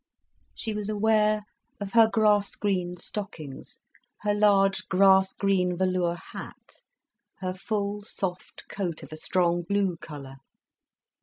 She was aware of her grass green stockings, her large grass green velour hat, her full soft coat, of a strong blue colour.